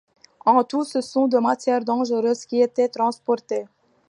En tout, ce sont de matières dangereuses qui étaient transportées.